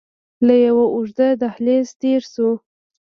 له يوه اوږد دهليزه تېر سو.